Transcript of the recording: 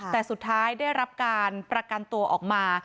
แต่สุดท้ายได้รับการประกันตัวออกมา